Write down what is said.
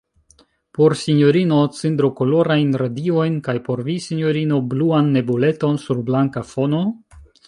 Por sinjorino cindrokolorajn radiojn, kaj por vi, sinjorino, bluan nebuleton sur blanka fono?